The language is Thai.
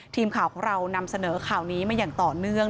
ทีมข่าวของเรานำเสนอข่าวนี้มาอย่างต่อเนื่อง